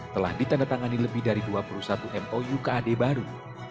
telah ditandatangani lebih dari dua puluh satu mou kad baru